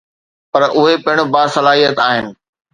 پر اهي پڻ باصلاحيت آهن.